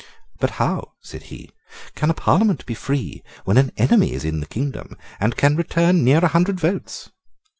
"But how," said he, "can a Parliament be free when an enemy is in the kingdom, and can return near a hundred votes?"